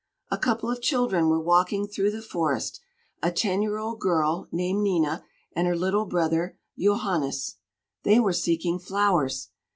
A couple of children were walking through the forest: a ten year old girl, named Nina, and her little brother Johannes. They were seeking flowers.